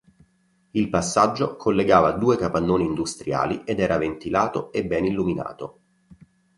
Il passaggio collegava due capannoni industriali ed era ventilato e ben illuminato.